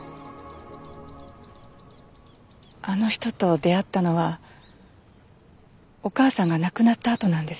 あの人と出会ったのはお義母さんが亡くなったあとなんです。